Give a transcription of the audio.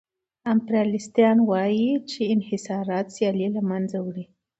امپریالیستان وايي چې انحصارات سیالي له منځه وړي